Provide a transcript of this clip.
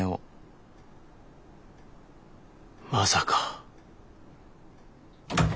まさか。